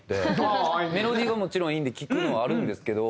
メロディーがもちろんいいので聴くのはあるんですけど。